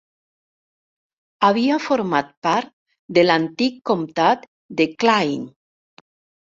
Havia format part de l'antic comtat de Clwyd.